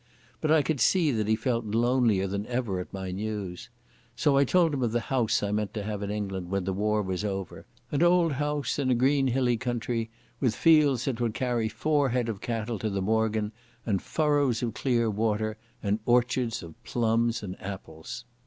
But I could see that he felt lonelier than ever at my news. So I told him of the house I meant to have in England when the war was over—an old house in a green hilly country, with fields that would carry four head of cattle to the morgen and furrows of clear water, and orchards of plums and apples.